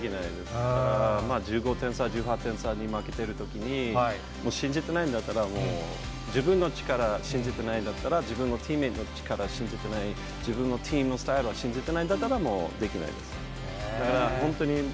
１５点差、１８点差に負けてるときに、信じてないんだったら、自分の力、信じてないんだったら、自分のチームの力信じてない、自分のチームのスタイルを信じてないんだったらもうできないです。